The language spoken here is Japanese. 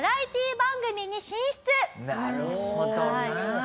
なるほどな。